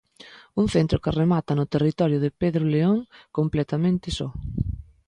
Un centro que remata no territorio de Pedro León, completamente só.